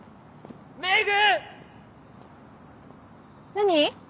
何？